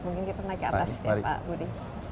mungkin kita naik ke atas ya pak budi